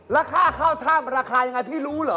แล้วค่าเข้าถ้ำราคายังไงพี่รู้เหรอ